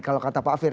kalau kata pak afir